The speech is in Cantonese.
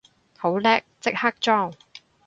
好叻，即刻裝